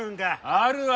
あるわ！